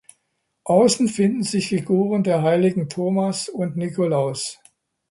Außen finden sich Figuren der Heiligen Thomas und Nikolaus.